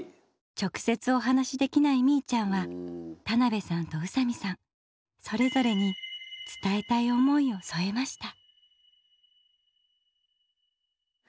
直接お話できないみいちゃんは田辺さんと宇佐美さんそれぞれに伝えたい思いをそえました。